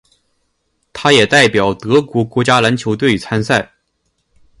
他也代表德国国家篮球队参赛。